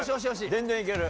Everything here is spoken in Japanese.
全然いける。